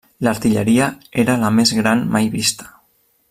L'artilleria era la més gran mai vista.